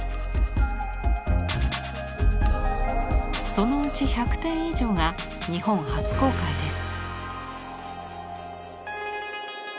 そのうち１００点以上が日本初公開です。